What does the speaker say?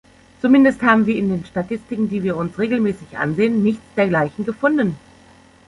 Zumindest haben wir in den Statistiken, die wir uns regelmäßig ansehen, nichts Dergleichen gefunden.